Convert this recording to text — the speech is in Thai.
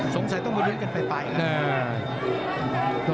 สงสัยต้องมือยืนกันไปเลย